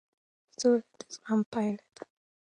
سوله د زغم پایله ده